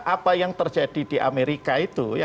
apa yang terjadi di amerika itu